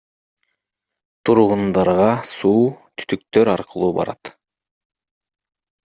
Тургундарга суу түтүктөр аркылуу барат.